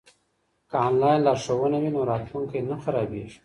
که انلاین لارښوونه وي نو راتلونکی نه خرابیږي.